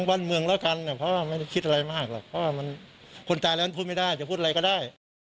เพราะว่าคนตายแล้วมันพูดไม่ได้จะพูดอะไรก็ได้